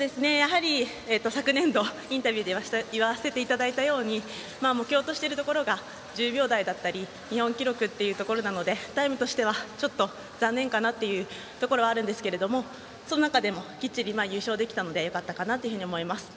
昨年度、インタビューでも言わせていただいたように目標としているところが１０秒台だったり日本記録というところですのでタイムとしてはちょっと残念かなというところはありますがその中でもきっちり優勝できたのでよかったかなと思います。